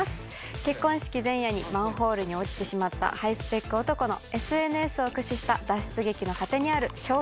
結婚式前夜にマンホールに落ちてしまったハイスペック男のＳＮＳを駆使した脱出劇の果てにある衝撃の結末とは？